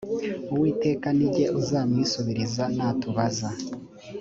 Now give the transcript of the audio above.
uwiteka ni jye uzamwisubiriza natubaza.